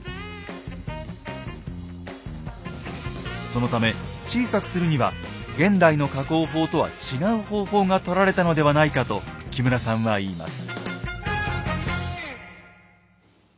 そのため小さくするには現代の加工法とは違う方法がとられたのではないかと木村さんは言います。